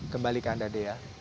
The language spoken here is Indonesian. kembalikan anda dea